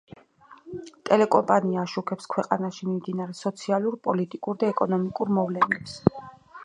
ტელეკომპანია აშუქებს ქვეყანაში მიმდინარე სოციალურ, პოლიტიკურ და ეკონომიკურ მოვლენებს.